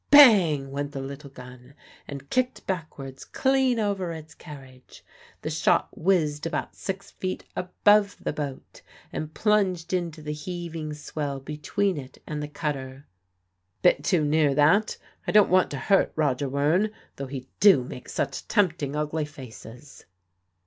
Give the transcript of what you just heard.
Bang! went the little gun, and kicked backwards clean over its carriage. The shot whizzed about six feet above the boat, and plunged into the heaving swell between it and the cutter. "Bit too near, that. I don't want to hurt Roger Wearne, though he do make such tempting, ugly faces."